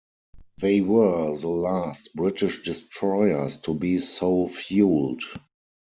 They were the last British destroyers to be so fueled.